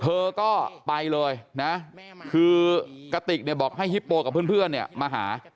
เธอก็ไปเลยนะคือกติกเนี่ยบอกให้ฮิปโปกับเพื่อนเนี่ยมาหา